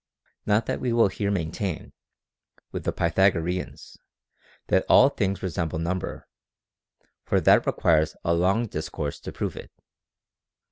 Not that we will here maintain, with the Pythagoreans, that all things resemble number, for that requires a long discourse to prove it.